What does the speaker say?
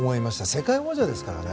世界王者ですからね。